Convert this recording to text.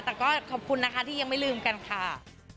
แต่ก็ขอบคุณนะคะที่ยังไม่ลืมกันค่ะ